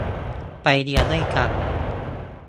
ไปเรียนด้วยกัน !